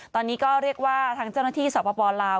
ตอนนี้ก็เรียกว่าทางเจ้าหน้าที่สปลาว